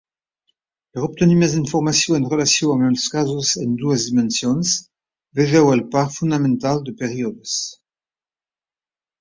Per obtenir més informació en relació amb els casos en dues dimensions, vegeu el par fonamental de períodes.